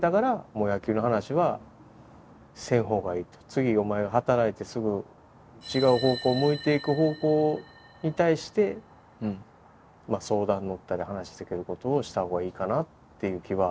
次お前が働いてすぐ違う方向向いていく方向に対してまあ相談乗ったり話してくることをした方がいいかなっていう気は。